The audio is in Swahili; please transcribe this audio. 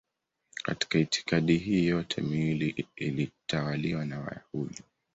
Katika itikadi hii yote miwili ilitawaliwa na Wayahudi.